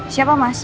saya akan pergi